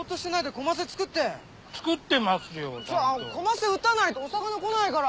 コマセ打たないとお魚来ないから。